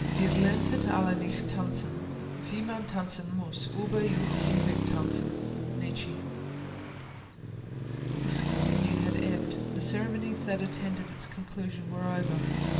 IHR LERNTET ALLE NICHT TANZEN, WIE MAN TANZEN MUSS UBER EUCH HINWEG TANZEN! NIETZSCHE The school year had ebbed; the ceremonies that attended its conclusion were over.